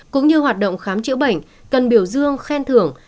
cũng như hoạt động khám chữa bệnh cần biểu dương khen thưởng